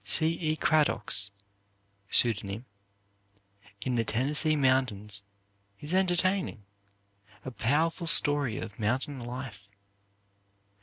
C. E. Craddock's (pseudonym), "In the Tennessee Mountains" is entertaining. A powerful story of mountain life.